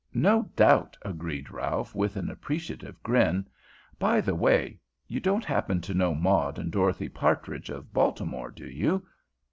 "No doubt," agreed Ralph, with an appreciative grin. "By the way, you don't happen to know Maud and Dorothy Partridge, of Baltimore, do you?